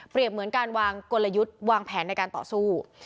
เหมือนการวางกลยุทธ์วางแผนในการต่อสู้